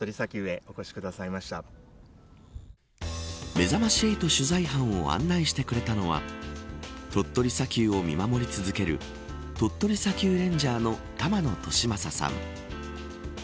めざまし８取材班を案内してくれたのは鳥取砂丘を見守り続ける鳥取砂丘レンジャーの玉野俊雅さん。